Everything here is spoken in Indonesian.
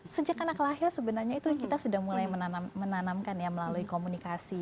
sejak anak lahir sebenarnya itu kita sudah mulai menanamkan ya melalui komunikasi